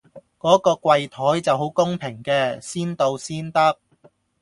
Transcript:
嗰個櫃檯就好公平嘅先到先得